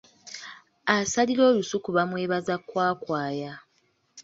Asalira olusuku bamwebaza kwakwaya.